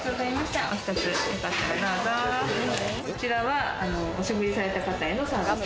こちらはお食事された方へのサービス。